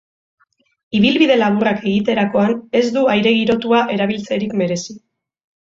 Ibilbide laburrak egiterakoan ez du aire-girotua erabiltzerik merezi.